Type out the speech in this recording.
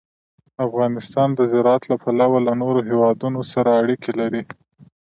افغانستان د زراعت له پلوه له نورو هېوادونو سره اړیکې لري.